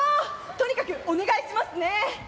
とにかくお願いしますね！